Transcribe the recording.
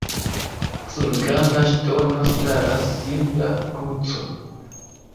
Sur Granda ŝtono staras simpla kruco.